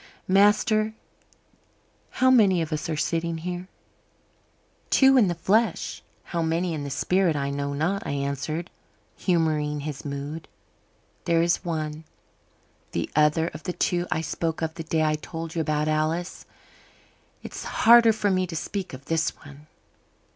"Master, how many of us are sitting here?" "Two in the flesh. How many in the spirit I know not," I answered, humouring his mood. "There is one the other of the two I spoke of the day I told you about Alice. It's harder for me to speak of this one."